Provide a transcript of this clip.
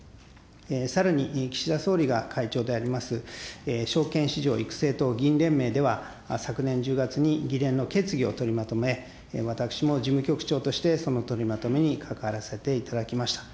さらに岸田総理が会長であります、証券市場育成等議員連盟では、昨年１０月に議連の決議を取りまとめ、私も事務局長として、その取りまとめに関わらせていただきました。